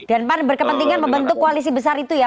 dan pan berkepentingan membentuk koalisi besar itu ya